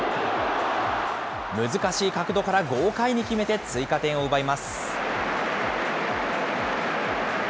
難しい角度から豪快に決めて、追加点を奪います。